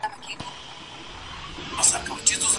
املا د لوستلو او پوهېدلو ترمنځ لاره ده.